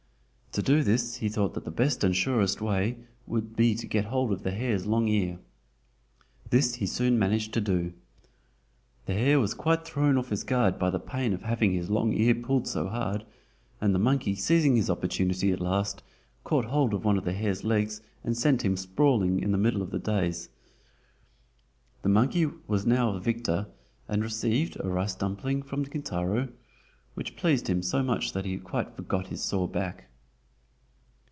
To do this, he thought that the best and surest way would be to get hold of the hare's long ear. This he soon managed to do. The hare was quite thrown off his guard by the pain of having his long ear pulled so hard, and the monkey seizing his opportunity at last, caught hold of one of the hare's legs and sent him sprawling in the middle of the dais. The monkey was now the victor and received, a rice dumpling from Kintaro, which pleased him so much that he quite forgot his sore back.